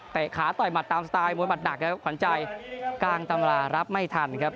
ขาต่อยหมัดตามสไตล์มวยหมัดหนักครับขวัญใจกลางตำรารับไม่ทันครับ